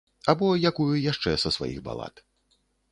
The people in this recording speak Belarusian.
Або якую яшчэ са сваіх балад.